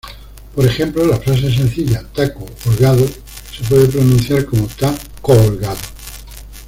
Por ejemplo, la frase sencilla "Taco Holgado" se puede pronunciar como Ta co-holgado.